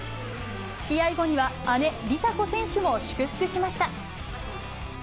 試合後には、姉、梨紗子選手も祝福しました。